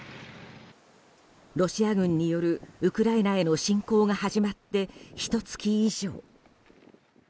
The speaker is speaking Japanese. ロシア軍によるウクライナへの侵攻が始まってひと月以上。